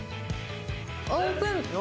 オープン！